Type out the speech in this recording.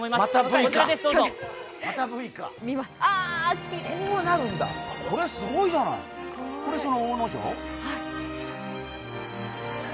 こうなるんだ、これすごいじゃない、これ、大野城？